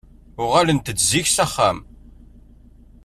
Uɣalent-d zik s axxam.